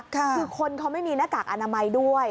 คือคนเขาไม่มีหน้ากากอนามัยด้วย